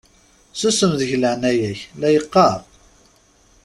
Susem deg leɛnaya-k la yeqqaṛ!